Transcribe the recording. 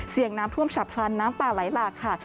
เสี่ยงน้ำท่วมฉับคลันน้ำปลาไหลหลากค่ะ